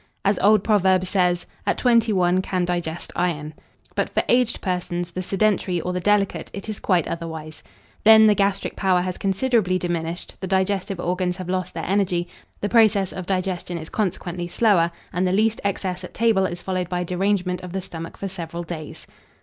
As old proverb says, "At twenty one can digest iron." But for aged persons, the sedentary, or the delicate, it is quite otherwise. Then the gastric power has considerably diminished, the digestive organs have lost their energy, the process of digestion is consequently slower, and the least excess at table is followed by derangement of the stomach for several days.